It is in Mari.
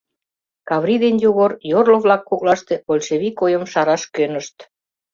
Каврий ден Йогор йорло-влак коклаште большевик ойым шараш кӧнышт.